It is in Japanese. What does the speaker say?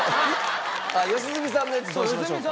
良純さんのやつどうしましょうか？